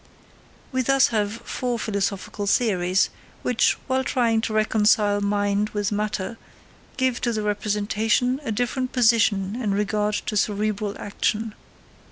We thus have four philosophical theories, which, while trying to reconcile mind with matter, give to the representation a different position in regard to cerebral action.